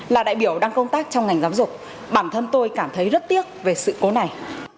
là đại biểu đang công tác trong ngành giáo dục bản thân tôi cảm thấy rất tiếc về sự cố này